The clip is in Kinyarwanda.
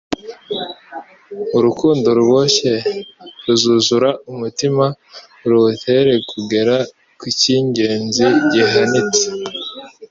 Urukundo ruboncye ruzuzura umutima ruwutere kugera ku cy'ingenzi gihanitse